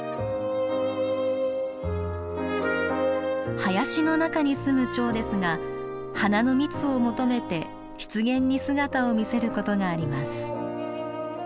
林の中に住むチョウですが花の蜜を求めて湿原に姿を見せることがあります。